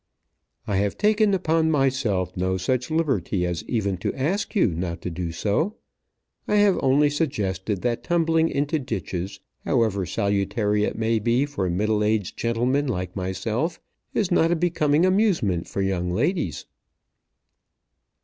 "I have taken upon myself no such liberty as even to ask you not to do so. I have only suggested that tumbling into ditches, however salutary it may be for middle aged gentlemen like myself, is not a becoming amusement for young ladies."